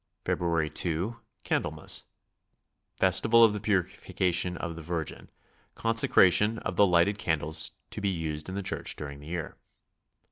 February 2, Candlemas; Festival of the Purification of the Virgin; consecration of the lighted candles to be used in the church during the year.